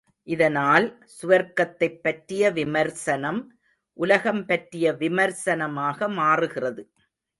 இதனால், சுவர்க்கத்தைப் பற்றிய விமர்சனம், உலகம் பற்றிய விமர்சனமாக மாறுகிறது.